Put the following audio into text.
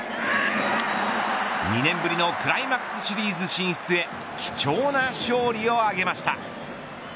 ２年ぶりのクライマックスシリーズ進出へ貴重な勝利を挙げました。